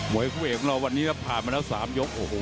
มวยคุ้นเองของเราวันนี้พามาแล้ว๓ยก